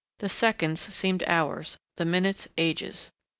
The seconds seemed hours, the minutes ages.